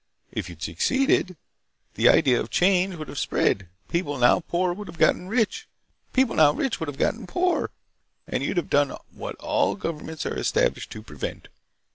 If you'd succeeded, the idea of change would have spread, people now poor would have gotten rich, people now rich would have gotten poor, and you'd have done what all governments are established to prevent.